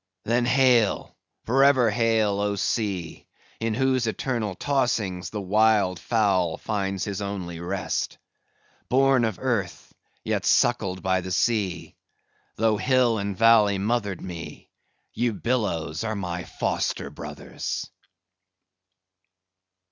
"Then hail, for ever hail, O sea, in whose eternal tossings the wild fowl finds his only rest. Born of earth, yet suckled by the sea; though hill and valley mothered me, ye billows are my foster brothers!"